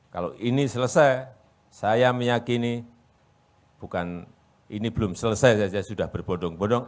kalau ini selesai saya meyakini bukan ini belum selesai saja sudah berbodong bodong